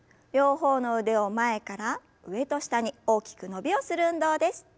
両方の腕を前から上と下に大きく伸びをする運動です。